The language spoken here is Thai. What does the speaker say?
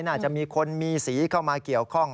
น่าจะมีคนมีสีเข้ามาเกี่ยวข้อง